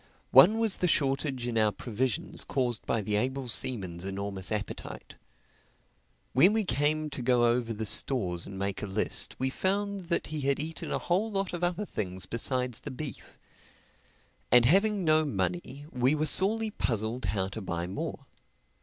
One was the shortage in our provisions caused by the able seaman's enormous appetite. When we came to go over the stores and make a list, we found that he had eaten a whole lot of other things besides the beef. And having no money, we were sorely puzzled how to buy more.